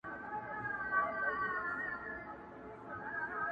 o کورنۍ يوې سختې پرېکړې ته ځان چمتو کوي پټه,